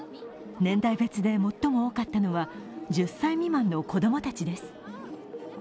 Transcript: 年代別で最も多かったのは１０歳未満の子供たちです。